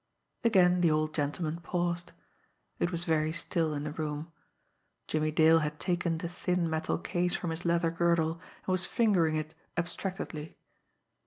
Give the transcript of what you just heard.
Again the old gentleman paused. It was very still in the room. Jimmie Dale had taken the thin metal case from his leather girdle and was fingering it abstractedly.